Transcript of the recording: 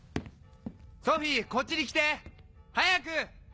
ソフィーこっちに来て！早く！